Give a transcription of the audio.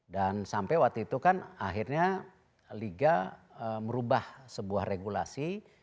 dan sampai waktu itu kan akhirnya liga merubah sebuah regulasi